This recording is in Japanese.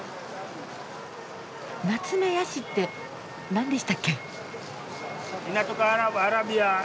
ナツメヤシって何でしたっけ？